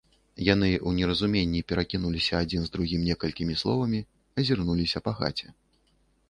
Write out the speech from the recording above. Яны ў неразуменні перакінуліся адзін з другім некалькімі словамі, азірнуліся па хаце.